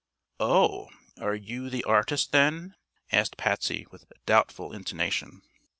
"Oh! Are you the artist, then?" asked Patsy, with doubtful intonation.